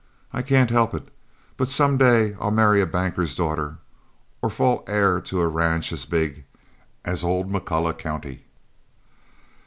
I can't help it, but some day I'll marry a banker's daughter, or fall heir to a ranch as big as old McCulloch County."